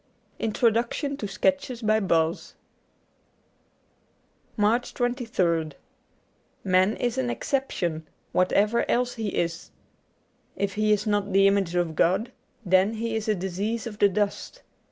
Introduction to ' Sketches by Boz.^ 88 MARCH 23rd MAN is an exception, whatever else he is. If he is not the image of God, then he is a disease of the dust.